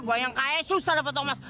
gue yang kaya susah dapet omas